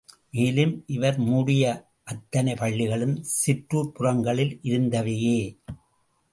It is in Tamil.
மேலும் இவர் மூடிய அத்தனைப் பள்ளிகளும் சிற்றூர்ப் புறங்களில் இருந்தவையே!